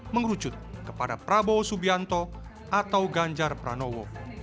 mengerucut kepada prabowo subianto atau ganjar pranowo